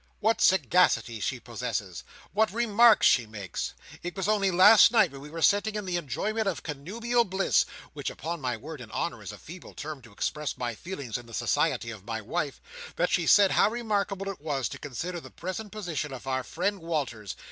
What sagacity she possesses! What remarks she makes! It was only last night, when we were sitting in the enjoyment of connubial bliss—which, upon my word and honour, is a feeble term to express my feelings in the society of my wife—that she said how remarkable it was to consider the present position of our friend Walters.